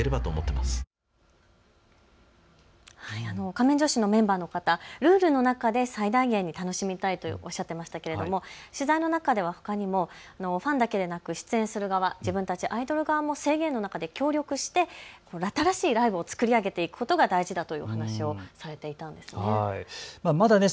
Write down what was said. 仮面女子のメンバーの方、ルールの中で最大限に楽しみたいとおっしゃっていましたけれども取材の中ではほかにもファンだけでなく出演する側、自分たちアイドル側も制限の中で協力して新しいライブを作り上げていくことが大事だというお話をされていたんですね。